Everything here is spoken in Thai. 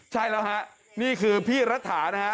ใช่แล้วฮะนี่คือพี่รัฐานะฮะ